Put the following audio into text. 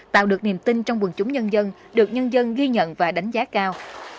tạo được niềm tin trong quần chúng nhân dân được nhân dân ghi nhận và đánh giá cao